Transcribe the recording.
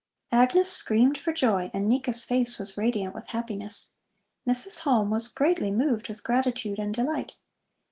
Agnes screamed for joy and Nika's face was radiant with happiness. Mrs. Halm was greatly moved with gratitude and delight.